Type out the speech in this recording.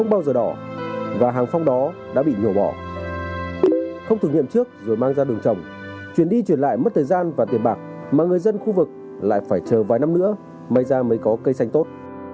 cây xanh trồng đã bị nhổ bỏ không thử nghiệm trước rồi mang ra đường trồng chuyển đi chuyển lại mất thời gian và tiền bạc mà người dân khu vực lại phải chờ vài năm nữa may ra mới có cây xanh tốt